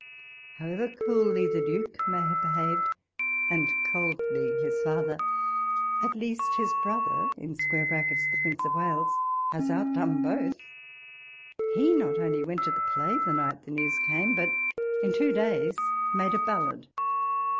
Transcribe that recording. However coolly the Duke may have behaved, and coldly his father, at least his brother [the Prince of Wales] has outdone both. He not only went to the play the night the news came, but in two days made a ballad.